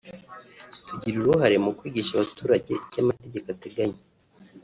tugira uruhare mu kwigisha abaturage icyo amategeko ateganya